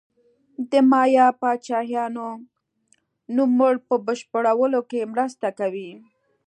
د مایا پاچاهانو نوملړ په بشپړولو کې مرسته کوي.